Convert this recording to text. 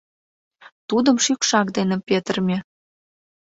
Тудым шӱкшак дене петырыме.